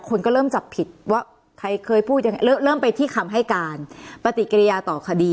คนก็เริ่มจับผิดว่าใครเคยพูดยังไงเริ่มไปที่คำให้การปฏิกิริยาต่อคดี